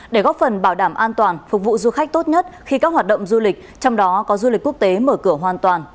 để góp phần bảo đảm an toàn phục vụ du khách tốt nhất khi các hoạt động du lịch trong đó có du lịch quốc tế mở cửa hoàn toàn